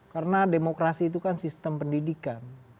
karena demokrasi itu kan sistem pendidikan